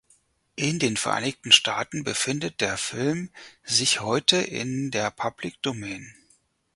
In den Vereinigten Staaten befindet der Film sich heute in der Public Domain.